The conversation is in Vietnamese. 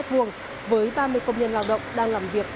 với ba mươi công nhân lao động đang làm việc